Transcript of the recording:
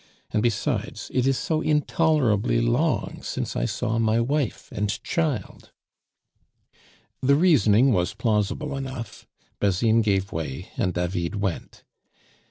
And besides, it is so intolerably long since I saw my wife and child." The reasoning was plausible enough; Basine gave way, and David went.